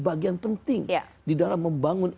bagian penting di dalam membangun